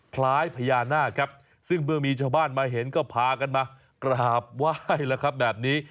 คล้ายพญานาคครับซึ่งเมื่อมีชาวบ้านมาเห็นก็พากันมากราบไหว้แล้วครับแบบนี้